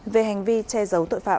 về hành vi che giấu tội phạm